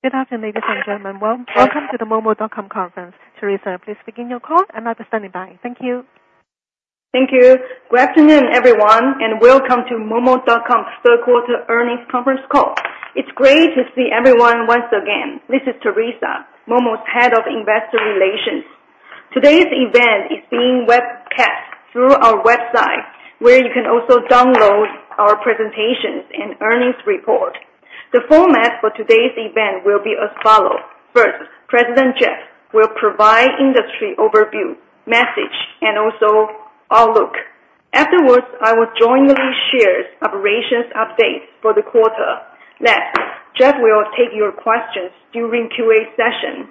Good afternoon, ladies and gentlemen. Welcome to the momo.com Terrisa Liu conference. Terrisa, please begin your call and I'll be standing by. Thank you. Thank you. Good afternoon, everyone, and welcome to momo.com third quarter earnings conference call. It's great to see everyone once again. This is Terrisa, Momo's head of investor relations. Today's event is being webcast through our website, where you can also download our presentations and earnings report. The format for today's event will be as follows. First, President Jeff will provide industry overview, message, and also outlook. Afterwards, I will jointly share operations updates for the quarter. Last, Jeff will take your questions during Q&A session.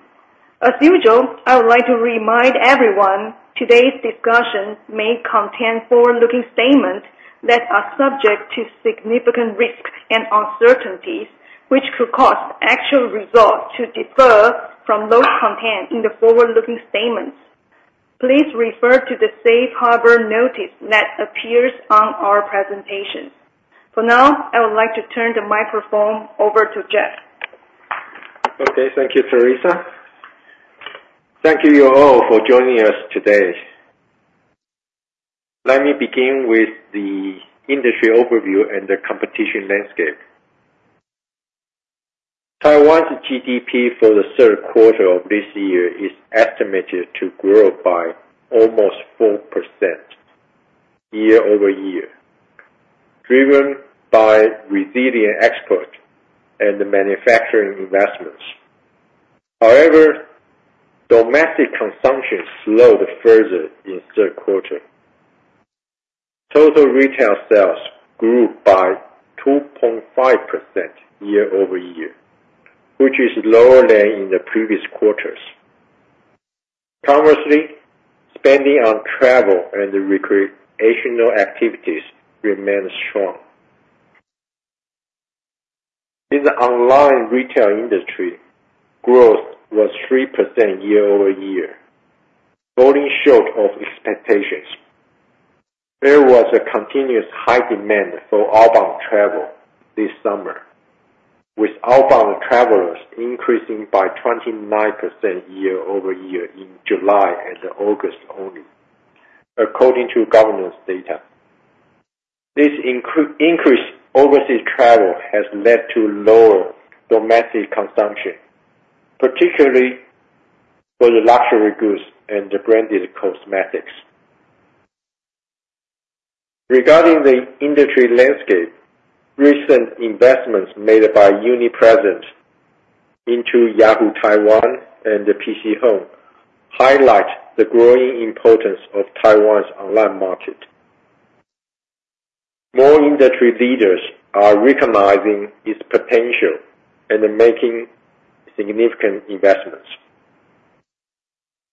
As usual, I would like to remind everyone today's discussion may contain forward-looking statements that are subject to significant risks and uncertainties, which could cause actual results to differ from those contained in the forward-looking statements. Please refer to the Safe Harbor notice that appears on our presentation. For now, I would like to turn the microphone over to Jeff. Okay. Thank you, Teresa. Thank you all for joining us today. Let me begin with the industry overview and the competition landscape. Taiwan's GDP for the third quarter of this year is estimated to grow by almost 4% year-over-year, driven by resilient exports and manufacturing investments. However, domestic consumption slowed further in the third quarter. Total retail sales grew by 2.5% year-over-year, which is lower than in the previous quarters. Conversely, spending on travel and recreational activities remained strong. In the online retail industry, growth was 3% year-over-year, falling short of expectations. There was a continuous high demand for outbound travel this summer, with outbound travelers increasing by 29% year-over-year in July and August only, according to government data. This increased overseas travel has led to lower domestic consumption, particularly for the luxury goods and the branded cosmetics. Regarding the industry landscape, recent investments made by Uni-President into Yahoo Taiwan and PChome highlight the growing importance of Taiwan's online market. More industry leaders are recognizing its potential and making significant investments.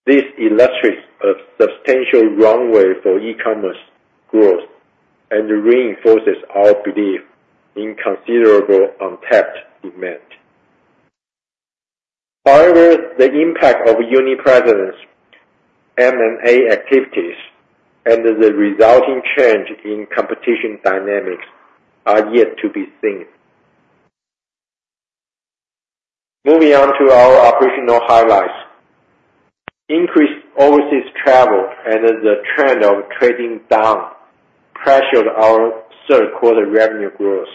This illustrates a substantial runway for e-commerce growth and reinforces our belief in considerable untapped demand. However, the impact of Uni-President's M&A activities and the resulting change in competition dynamics are yet to be seen. Moving on to our operational highlights. Increased overseas travel and the trend of trading down pressured our third quarter revenue growth.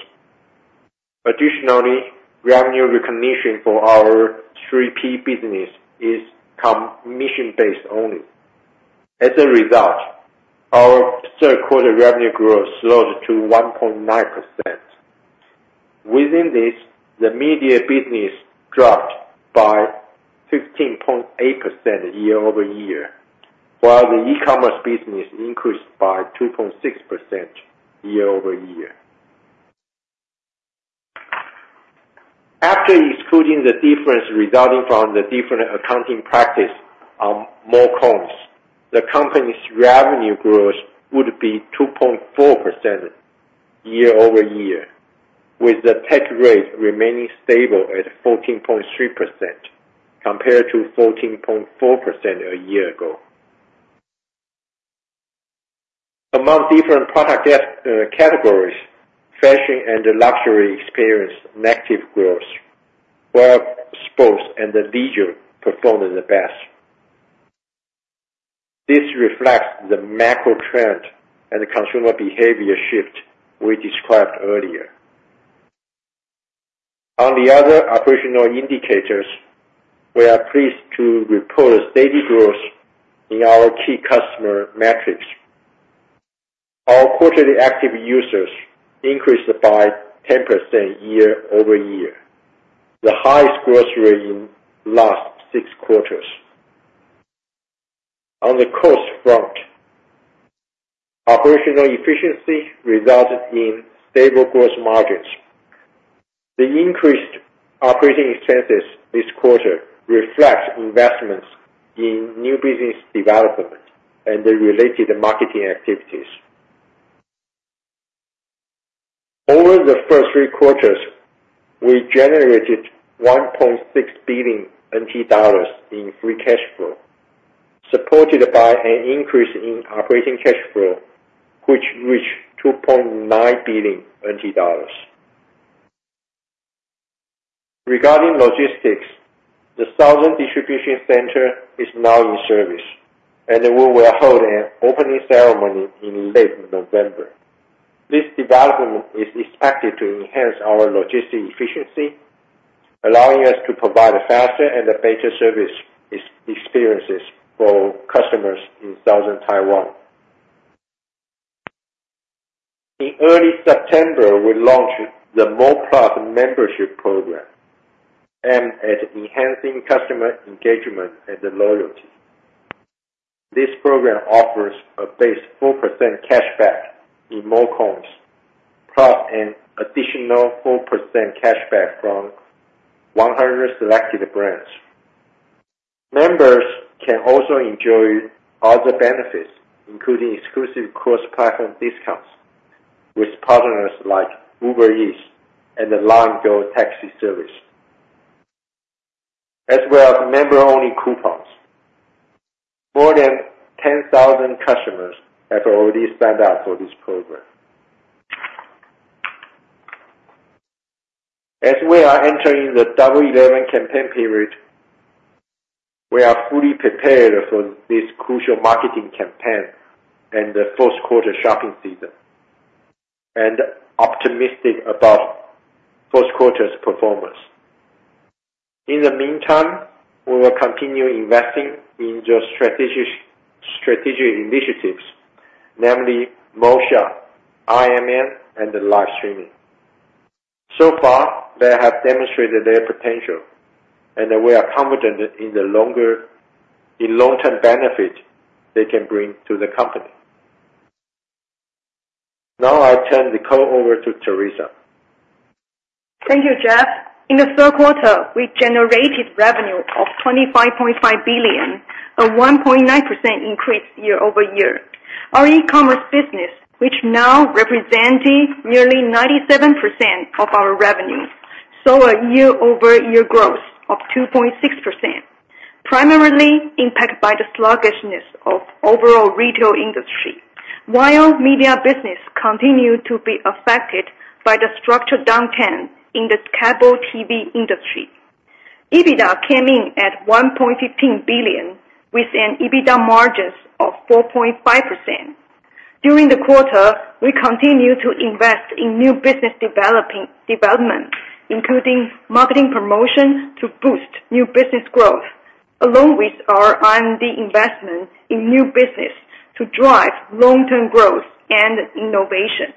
Additionally, revenue recognition for our 3P business is commission-based only. As a result, our third quarter revenue growth slowed to 1.9%. Within this, the media business dropped by 15.8% year-over-year, while the e-commerce business increased by 2.6% year-over-year. After excluding the difference resulting from the different accounting practice on mo Coin, the company's revenue growth would be 2.4% year-over-year, with the tax rate remaining stable at 14.3% compared to 14.4% a year ago. Among different product categories, fashion and luxury experienced negative growth, while sports and leisure performed the best. This reflects the macro trend and consumer behavior shift we described earlier. On the other operational indicators, we are pleased to report steady growth in our key customer metrics. Our quarterly active users increased by 10% year-over-year, the highest growth rate in the last six quarters. On the cost front, operational efficiency resulted in stable gross margins. The increased operating expenses this quarter reflect investments in new business development and related marketing activities. Over the first three quarters, we generated 1.6 billion NT dollars in free cash flow, supported by an increase in operating cash flow, which reached 2.9 billion TWD. Regarding logistics, the Southern Distribution Center is now in service, and we will hold an opening ceremony in late November. This development is expected to enhance our logistics efficiency, allowing us to provide faster and better service experiences for customers in Southern Taiwan. In early September, we launched the mo+ membership program aimed at enhancing customer engagement and loyalty. This program offers a base 4% cashback in mo+, plus an additional 4% cashback from 100 selected brands. Members can also enjoy other benefits, including exclusive cross-platform discounts with partners like Uber Eats and the LINE GO taxi service, as well as member-only coupons. More than 10,000 customers have already signed up for this program. As we are entering the Double 11 campaign period, we are fully prepared for this crucial marketing campaign and the first quarter shopping season, and optimistic about first quarter's performance. In the meantime, we will continue investing in your strategic initiatives, namely MoShop, RMN, and live streaming. So far, they have demonstrated their potential, and we are confident in the long-term benefit they can bring to the company. Now, I'll turn the call over to Terrisa. Thank you, Jeff. In the third quarter, we generated revenue of TWD 25.5 billion, a 1.9% increase year-over-year. Our e-commerce business, which now represents nearly 97% of our revenue, saw a year-over-year growth of 2.6%, primarily impacted by the sluggishness of the overall retail industry, while media business continued to be affected by the structural downturn in the cable TV industry. EBITDA came in at 1.15 billion, with an EBITDA margin of 4.5%. During the quarter, we continued to invest in new business development, including marketing promotion to boost new business growth, along with our R&D investment in new business to drive long-term growth and innovation.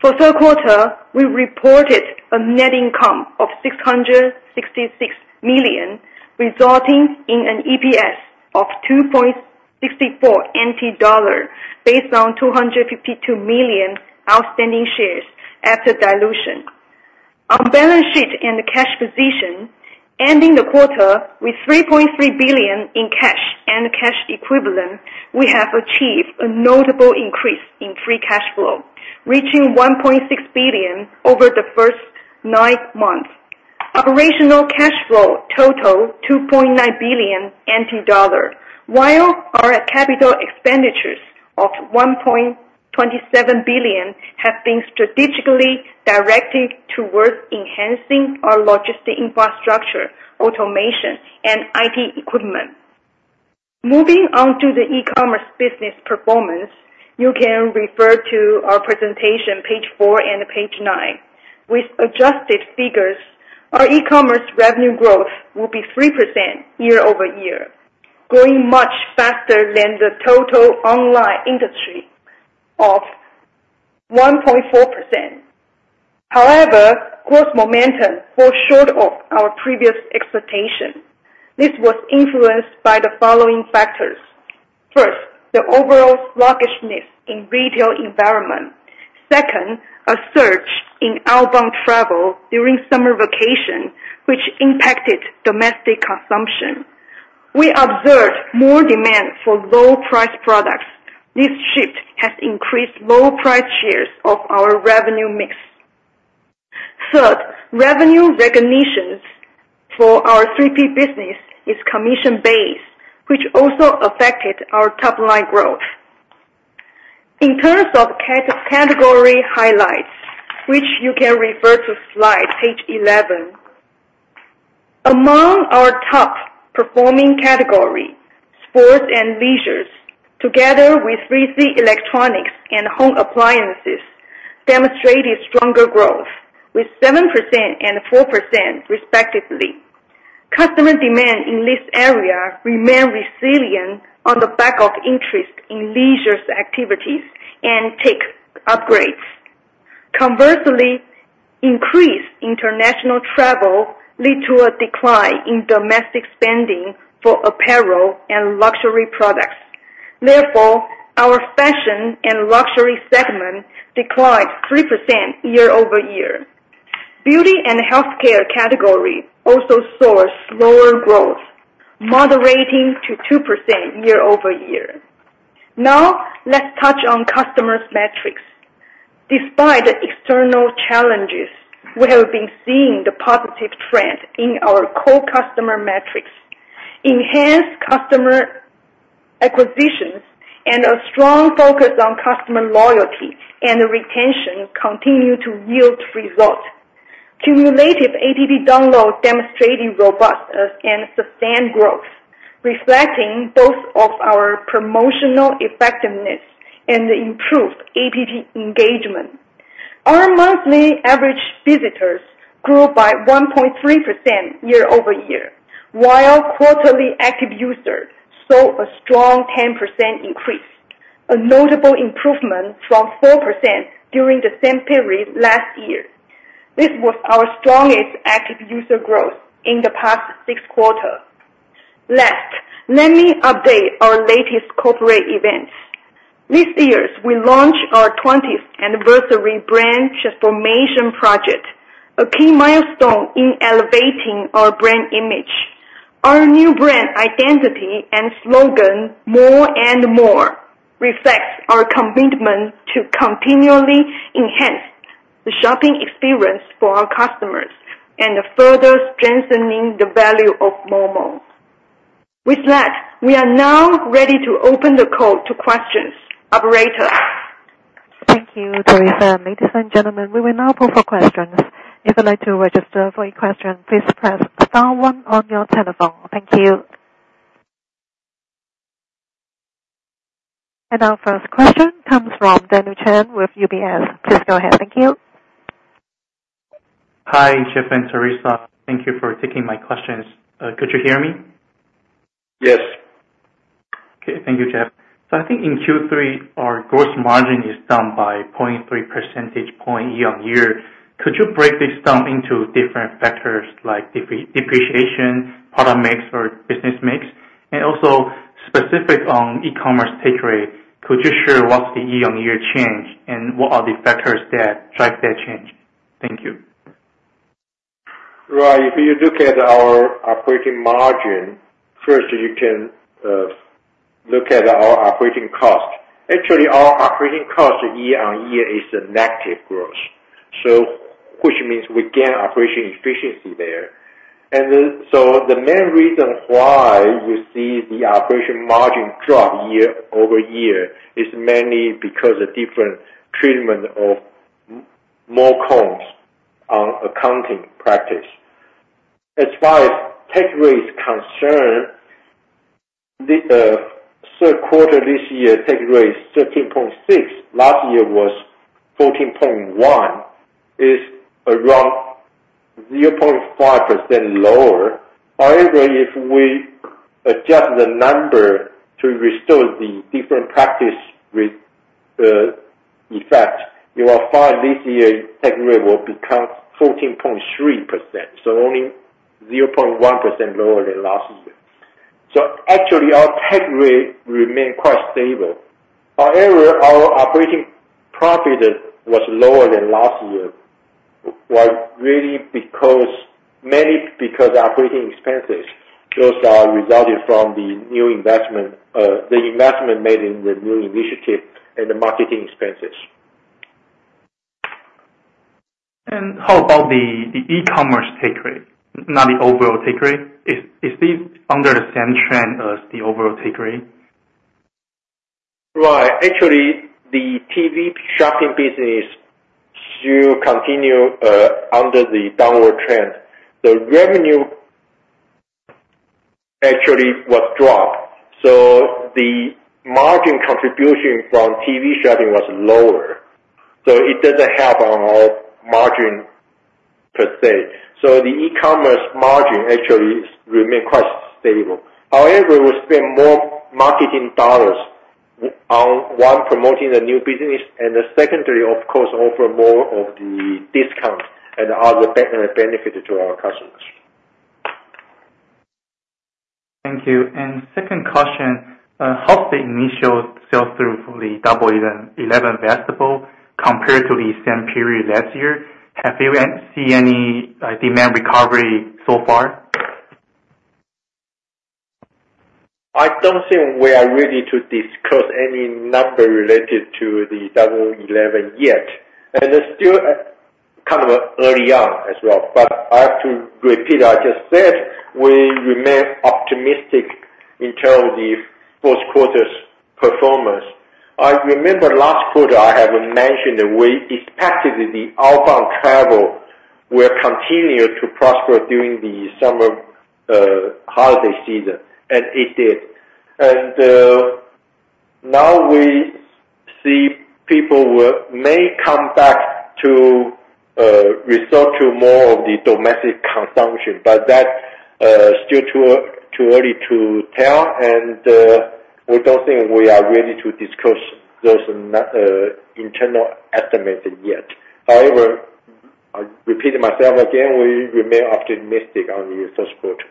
For the third quarter, we reported a net income of 666 million, resulting in an EPS of 2.64 NT dollar based on 252 million outstanding shares after dilution. On the balance sheet and cash position, ending the quarter with 3.3 billion in cash and cash equivalents, we have achieved a notable increase in free cash flow, reaching 1.6 billion over the first nine months. Operating cash flow totaled 2.9 billion NT dollar, while our capital expenditures of 1.27 billion have been strategically directed towards enhancing our logistics infrastructure, automation, and IT equipment. Moving on to the e-commerce business performance, you can refer to our presentation, page 4 and page 9. With adjusted figures, our e-commerce revenue growth will be 3% year-over-year, growing much faster than the total online industry of 1.4%. However, gross momentum fell short of our previous expectations. This was influenced by the following factors. First, the overall sluggishness in the retail environment. Second, a surge in outbound travel during summer vacation, which impacted domestic consumption. We observed more demand for low-priced products. This shift has increased low-priced shares of our revenue mix. Third, revenue recognition for our 3P business is commission-based, which also affected our top-line growth. In terms of category highlights, which you can refer to slide page 11, among our top performing categories, sports and leisure, together with 3C electronics and home appliances, demonstrated stronger growth with 7% and 4%, respectively. Customer demand in this area remained resilient on the back of interest in leisure activities and tech upgrades. Conversely, increased international travel led to a decline in domestic spending for apparel and luxury products. Therefore, our fashion and luxury segment declined 3% year-over-year. Beauty and healthcare category also saw slower growth, moderating to 2% year-over-year. Now, let's touch on customer metrics. Despite external challenges, we have been seeing the positive trend in our core customer metrics. Enhanced customer acquisitions and a strong focus on customer loyalty and retention continue to yield results. Cumulative App download demonstrated robust and sustained growth, reflecting both our promotional effectiveness and improved App engagement. Our monthly average visitors grew by 1.3% year-over-year, while quarterly active users saw a strong 10% increase, a notable improvement from 4% during the same period last year. This was our strongest active user growth in the past six quarters. Last, let me update our latest corporate events. This year, we launched our 20th anniversary brand transformation project, a key milestone in elevating our brand image. Our new brand identity and slogan, "More and More," reflects our commitment to continually enhance the shopping experience for our customers and further strengthening the value of Momo. With that, we are now ready to open the call to questions. Operator. Thank you, Terrisa. Ladies and gentlemen, we will now pull for questions. If you'd like to register for a question, please press star one on your telephone. Thank you. And our first question comes from Daniel Chen with UBS. Please go ahead. Thank you. Hi, Jeff and Terrisa. Thank you for taking my questions. Could you hear me? Yes. Okay. Thank you, Jeff, so I think in Q3, our gross margin is down by 0.3 percentage point year-on-year. Could you break this down into different factors like depreciation, product mix, or business mix? And also, specific on e-commerce take rate, could you share what's the year-on-year change and what are the factors that drive that change? Thank you. Right. If you look at our operating margin, first, you can look at our operating cost. Actually, our operating cost year-on-year is negative growth, which means we gain operational efficiency there, and so the main reason why you see the operating margin drop year-over-year is mainly because of different treatment of mo+ accounting practice. As far as take rate is concerned, third quarter this year, take rate is 13.6%. Last year was 14.1%. It's around 0.5% lower. However, if we adjust the number to restore the different practice effect, you will find this year take rate will become 14.3%, so only 0.1% lower than last year, so actually, our take rate remained quite stable. However, our operating profit was lower than last year, mainly because operating expenses. Those are resulting from the new investment made in the new initiative and the marketing expenses. How about the e-commerce take rate, not the overall take rate? Is this under the same trend as the overall take rate? Right. Actually, the TV shopping business still continues under the downward trend. The revenue actually was dropped. So the margin contribution from TV shopping was lower. So it doesn't help on our margin per se. So the e-commerce margin actually remained quite stable. However, we spent more marketing dollars on, one, promoting the new business, and the secondary, of course, offer more of the discount and other benefits to our customers. Thank you. And second question, how's the initial sales through for the Double 11 festival compared to the same period last year? Have you seen any demand recovery so far? I don't think we are ready to disclose any number related to the Double 11 yet, and it's still kind of early on as well, but I have to repeat what I just said. We remain optimistic in terms of the first quarter's performance. I remember last quarter, I have mentioned we expected the outbound travel will continue to prosper during the summer holiday season, and it did, and now we see people may come back to resort to more of the domestic consumption, but that's still too early to tell, and we don't think we are ready to disclose those internal estimates yet. However, I repeat myself again, we remain optimistic on the first quarter.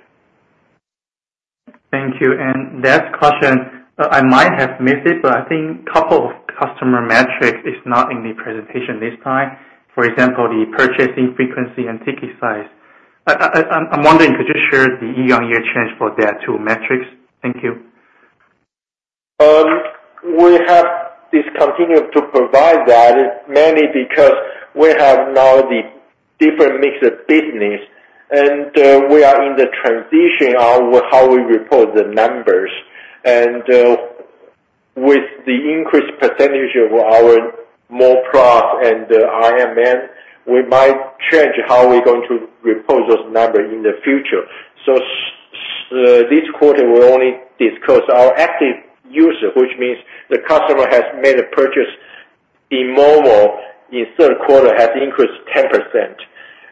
Thank you. And last question, I might have missed it, but I think a couple of customer metrics is not in the presentation this time. For example, the purchasing frequency and ticket size. I'm wondering, could you share the year-on-year change for that two metrics? Thank you. We have discontinued to provide that mainly because we have now the different mix of business, and we are in the transition on how we report the numbers, and with the increased percentage of our mo+ and RMN, we might change how we're going to report those numbers in the future, so this quarter, we only disclose our active user, which means the customer has made a purchase. The mo+ in third quarter has increased 10%,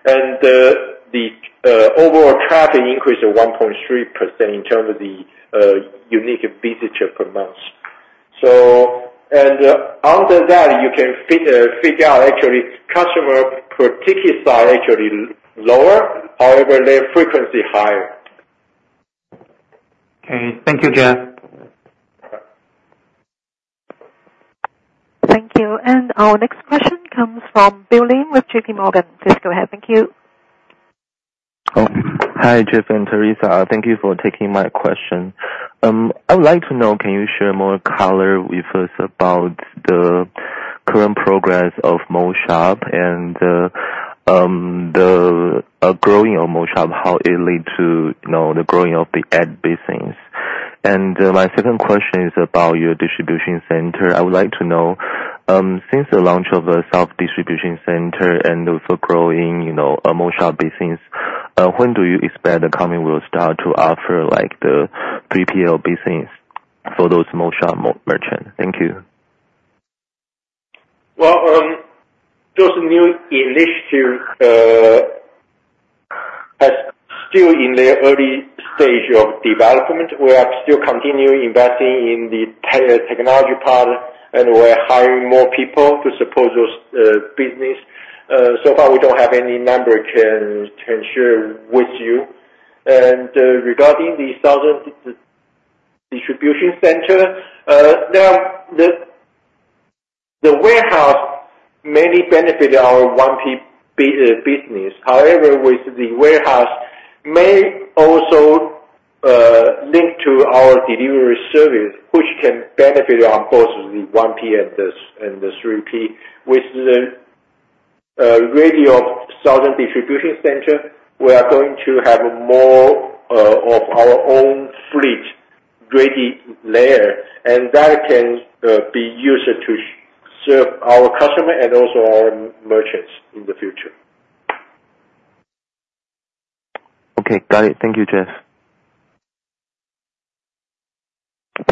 and the overall traffic increased to 1.3% in terms of the unique visitor per month, and under that, you can figure out actually customer per ticket side actually lower, however, their frequency higher. Okay. Thank you, Jeff. Thank you. And our next question comes from Bill Lin with J.P. Morgan. Please go ahead. Thank you. Hi, Jeff and Terrisa. Thank you for taking my question. I would like to know, can you share more color with us about the current progress of MoShop and the growing of MoShop, how it led to the growing of the ad business? And my second question is about your distribution center. I would like to know, since the launch of the Southern distribution center and also growing MoShop business, when do you expect the company will start to offer the 3PL business for those MoShop merchants? Thank you. Those new initiatives are still in their early stage of development. We are still continuing investing in the technology part, and we're hiring more people to support those businesses. So far, we don't have any number we can share with you. Regarding the Southern distribution center, now the warehouse mainly benefits our 1P business. However, with the warehouse, may also link to our delivery service, which can benefit on both the 1P and the 3P. With the Southern distribution center, we are going to have more of our own fleet ready there, and that can be used to serve our customers and also our merchants in the future. Okay. Got it. Thank you, Jeff.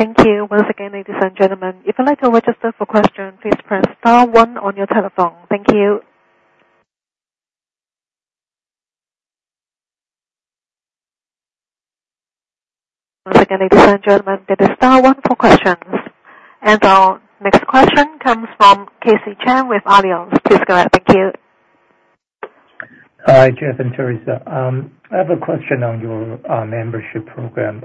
Thank you. Once again, ladies and gentlemen, if you'd like to register for questions, please press star one on your telephone. Thank you. Once again, ladies and gentlemen, that is star one for questions. Our next question comes from Casey Chen with Aletheia. Please go ahead. Thank you. Hi, Jeff and Terrisa. I have a question on your membership program.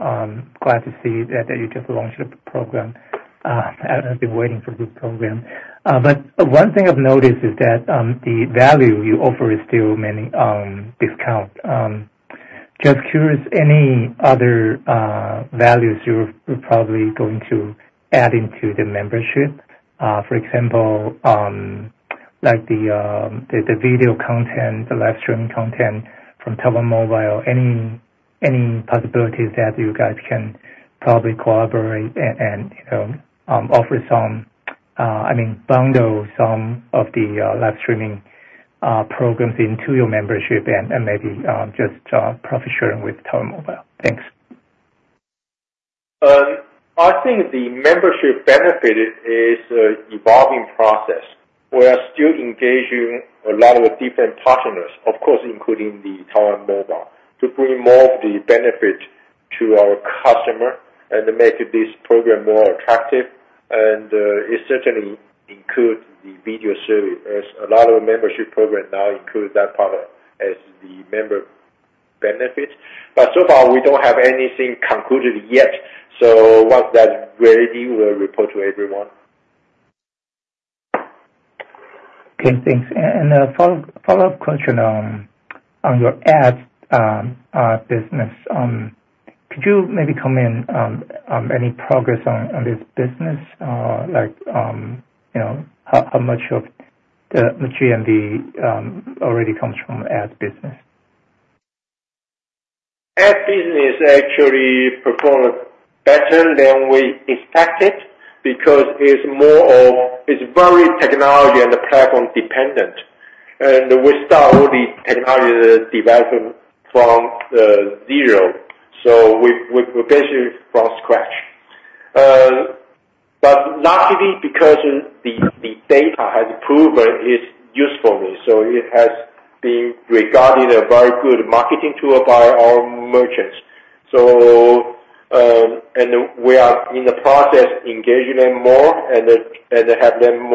Glad to see that you just launched a program. I've been waiting for this program. But one thing I've noticed is that the value you offer is still mainly discount. Just curious, any other values you're probably going to add into the membership? For example, like the video content, the live streaming content from Taiwan Mobile, any possibilities that you guys can probably collaborate and offer some, I mean, bundle some of the live streaming programs into your membership and maybe just profit sharing with Taiwan Mobile? Thanks. I think the membership benefit is an evolving process. We are still engaging a lot of different partners, of course, including Taiwan Mobile, to bring more of the benefit to our customer and make this program more attractive, and it certainly includes the video service. A lot of membership programs now include that part as the member benefit, but so far, we don't have anything concluded yet, so once that's ready, we'll report to everyone. Okay. Thanks. And a follow-up question on your ad business. Could you maybe comment on any progress on this business, like how much of the GMV already comes from ad business? Ad business actually performed better than we expected because it's more of it's very technology- and platform-dependent, and we start all the technology development from zero, so we're basically from scratch. But luckily, because the data has proven its usefulness, it has been regarded as a very good marketing tool by our merchants, and we are in the process of engaging them more and have them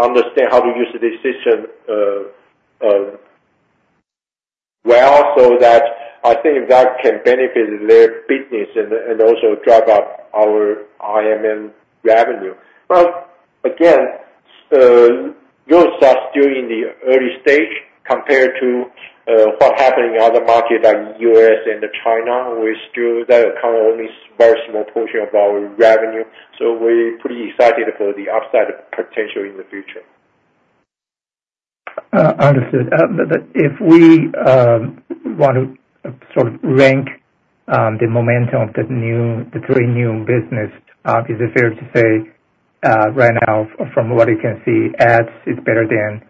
understand how to use this system well so that I think that can benefit their business and also drive up our RMN revenue. But again, those are still in the early stage compared to what happened in other markets like the U.S. and China. Yet that accounts only a very small portion of our revenue, so we're pretty excited for the upside potential in the future. Understood. But if we want to sort of rank the momentum of the three new businesses, is it fair to say right now, from what you can see, ads is better than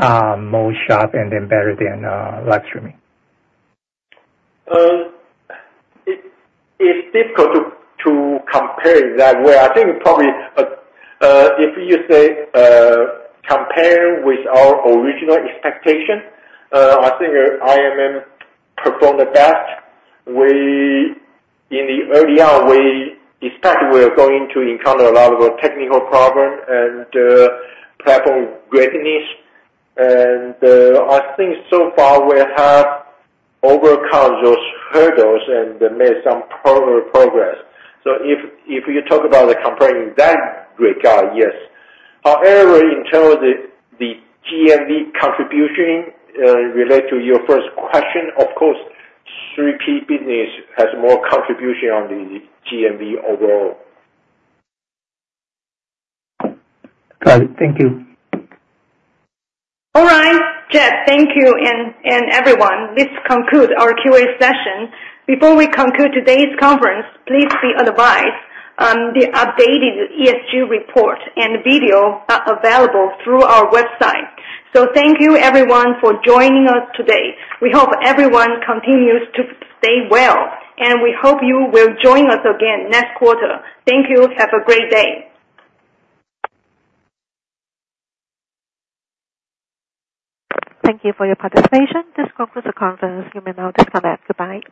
MoShop and then better than live streaming? It's difficult to compare that way. I think probably if you say compare with our original expectation, I think RMN performed the best. In the early on, we expected we were going to encounter a lot of technical problems and platform readiness, and I think so far, we have overcome those hurdles and made some progress, so if you talk about comparing that regard, yes. However, in terms of the GMV contribution related to your first question, of course, 3P business has more contribution on the GMV overall. Got it. Thank you. All right. Jeff, thank you. And everyone, this concludes our Q&A session. Before we conclude today's conference, please be advised the updated ESG report and video are available through our website. So thank you, everyone, for joining us today. We hope everyone continues to stay well, and we hope you will join us again next quarter. Thank you. Have a great day. Thank you for your participation. This concludes the conference. You may now disconnect. Goodbye.